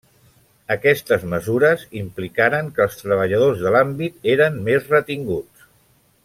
Aquestes mesures implicaren que els treballadors de l'àmbit eren més retinguts.